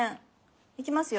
いきますよ。